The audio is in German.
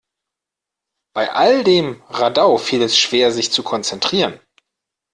Bei all dem Radau fiel es schwer, sich zu konzentrieren.